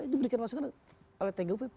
ini diberikan masukan oleh tgpp